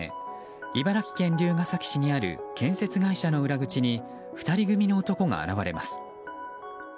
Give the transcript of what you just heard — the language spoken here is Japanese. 茨城県龍ケ崎市にある建設会社の裏口に２人組の男が現れます。